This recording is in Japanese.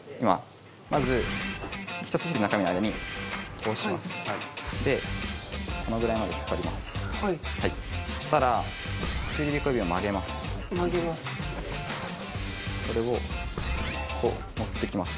まず人さし指と中指の間に通しますでこのぐらいまで引っ張りますしたら薬指小指を曲げます曲げますこれをこう持ってきます